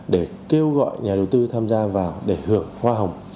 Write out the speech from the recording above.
để kêu gọi nhà đầu tư tham gia vào để hưởng hoa hồng